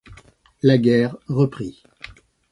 La guerre reprit.